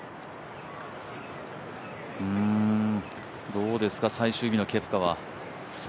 どうですか最終日のケプカは。